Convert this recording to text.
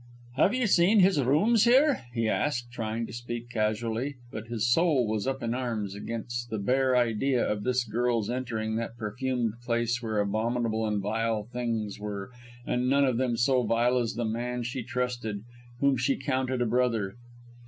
"Have you seen his rooms here?" he asked, trying to speak casually; but his soul was up in arms against the bare idea of this girl's entering that perfumed place where abominable and vile things were, and none of them so vile as the man she trusted, whom she counted a brother.